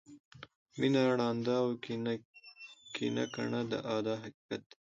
مینه ړانده او کینه کڼه ده دا حقیقت دی.